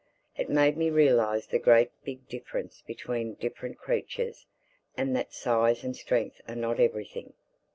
It made me realize the great big difference between different creatures; and that size and strength are not everything.